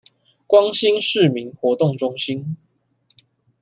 光興市民活動中心